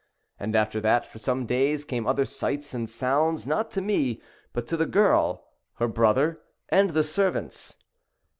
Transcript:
And after that for some days came other sights and sounds, not to me but to the girl, her brother, and the servants.